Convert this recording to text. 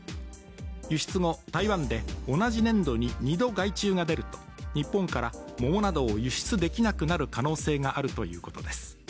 輸出後、台湾で同じ年度に２度害虫が出ると、日本から桃などを輸出できなくなる可能性があるということです。